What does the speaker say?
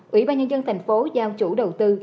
ủy ban nhân dân tp hcm giao chủ đầu tư